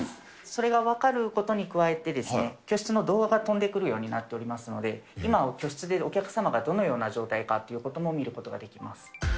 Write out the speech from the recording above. それが分かることに加えて、居室の動画が飛んでくるようになっていますので、今居室でお客様がどのような状態かということも見ることができます。